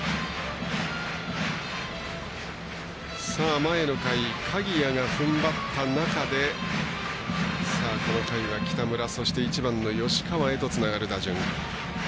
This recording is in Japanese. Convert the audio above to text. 前の回、鍵谷がふんばった中でこの回は北村、１番の吉川へとつながる打順。